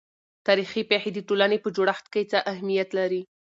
تاريخي پېښې د ټولنې په جوړښت کې څه اهمیت لري؟